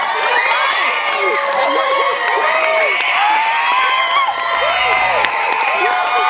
เก่งก่อนแบบนี้